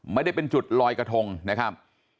ไม่ได้เป็นจุดลอยกระทงนะครับ